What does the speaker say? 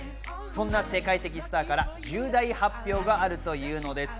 そんな世界的スターから重大発表があるというのです。